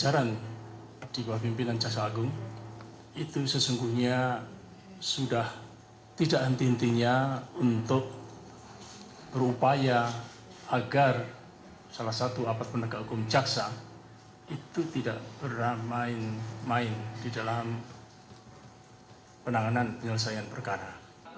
jajaran di bawah pimpinan jaksa agung itu sesungguhnya sudah tidak henti hentinya untuk berupaya agar salah satu apat penegak agung jaksa itu tidak bermain main di dalam penanganan penyelesaian perkara